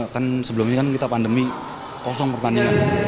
kan sebelum ini kan kita pandemi kosong pertandingan